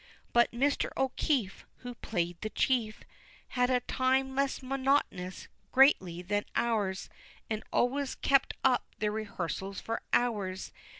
But Mr. O'Keefe, Who played the chief, Had a time less monotonous, greatly, than ours, And always kept up the rehearsals for hours.